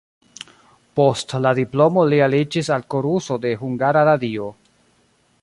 Post la diplomo li aliĝis al koruso de Hungara Radio.